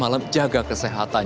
malam jaga kesehatan